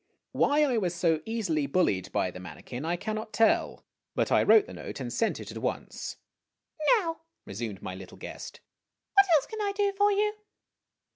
Why I was so easily bullied by the manikin I cannot tell ; but I wrote the note and sent it at once. " Now," resumed my little guest, "what else can I do for you?"